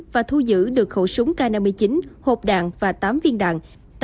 và thu giữ được khẩu súng k năm mươi chín hộp đạn và tám viên đạn